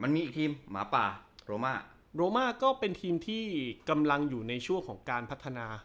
มีอีกทีมหมาป่าโรมาโรมาก็เป็นทีมที่กำลังอยู่ในช่วงของการพัฒนา